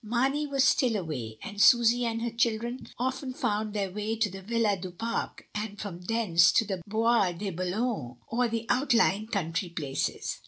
Marney was still away, and Susy and her children often found their way to the Villa du Pare, and from thence to the Bois de Boulogne or the outlying country places.